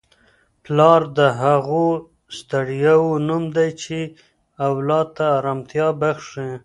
پلار د هغو ستړیاوو نوم دی چي اولاد ته ارامتیا بخښي.